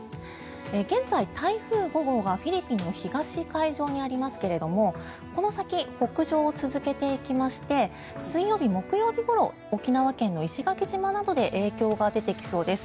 現在、台風５号がフィリピンの東海上にありますがこの先、北上を続けていきまして水曜日、木曜日ごろ沖縄県の石垣島などで影響が出てきそうです。